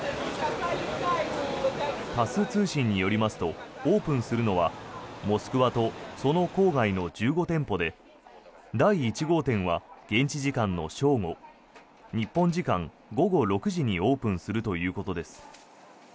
タス通信によりますとオープンするのはモスクワとその郊外の１５店舗で第１号店は現地時間の正午日本時間午後６時にオープンするということです。